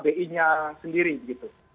tes ukbi nya sendiri gitu